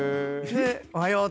おはよう。